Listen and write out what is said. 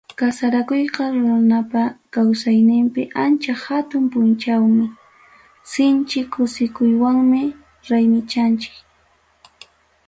Kasarakuyqa runapa kawsayninpi ancha hatun punchawmi, sinchi kusikuywanmi raymichanchik.